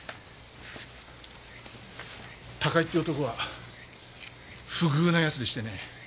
高井って男は不遇な奴でしてね。